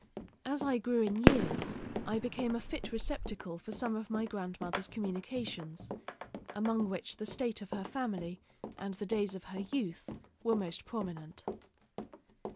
As I grew in years, I became a fit receptacle for some of my grandmother's communications, among which the state of her family and the days of her youth were most prominent.